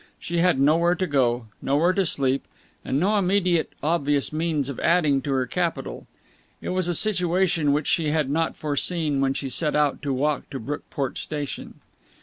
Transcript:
She had nowhere to go, nowhere to sleep, and no immediately obvious means of adding to her capital. It was a situation which she had not foreseen when she set out to walk to Brookport station.